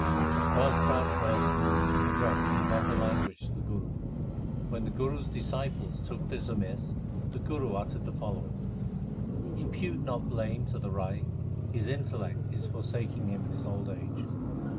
A purse proud person addressed improper language to the Guru. When the Guru s disciples took this amiss, the Guru uttered the following : Impute not blame to the Rai ; 2 his intellect is forsaking him in his old age.